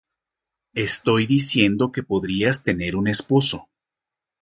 Estoy diciendo que podrías tener un esposo.